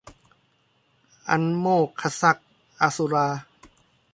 อันโมกขศักดิ์อสุรา